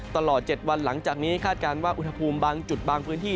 ตลอด๗วันหลังจากนี้คาดการณ์ว่าอุณหภูมิบางจุดบางพื้นที่